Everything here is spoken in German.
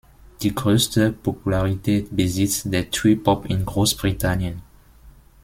Die größte Popularität besitzt der Twee-Pop in Großbritannien.